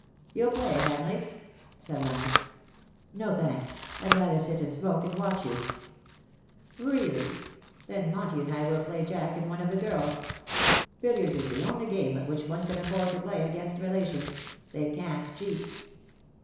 " You^ll play, Hamleigh V said Leonard. " No, thanks ; Fd rather sit and smoke and watch you/' " Really ! Then Monty and I will play Jack and one of the girls. Billiards is the only game at which one can afford to play against relations — they can''t cheat.